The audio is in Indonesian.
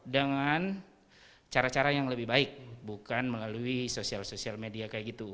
dengan cara cara yang lebih baik bukan melalui sosial sosial media kayak gitu